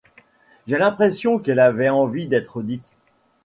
J'ai l'impression qu'elle avait envie d'être dite.